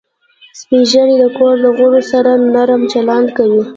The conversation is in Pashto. سپین ږیری د کور د غړو سره نرم چلند کوي